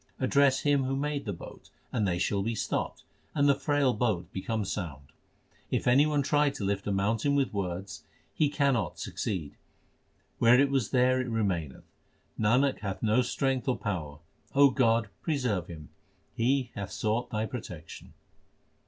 Address Him who made the boat, and they shall be stopped, and the frail boat become sound. If any one try to lift a mountain with words, he cannot succeed ; where it was there it remaineth. Nanak hath no strength or power ; O God, preserve him ; he hath sought Thy protection.